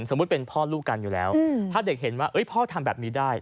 เป็นพ่อลูกกันอยู่แล้วถ้าเด็กเห็นว่าพ่อทำแบบนี้ได้